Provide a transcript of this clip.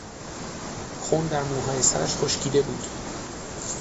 خون در موهای سرش خشکیده بود.